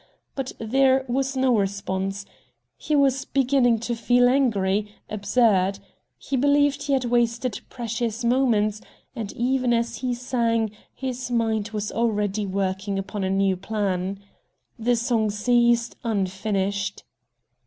But there was no response. He was beginning to feel angry, absurd. He believed he had wasted precious moments, and, even as he sang, his mind was already working upon a new plan. The song ceased, unfinished.